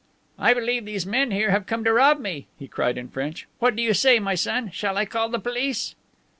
"I believe these men here have come to rob me," he cried in French. "What do you say, my son? Shall I call the police?"